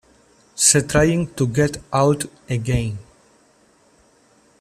C- Trying To Get Out Again.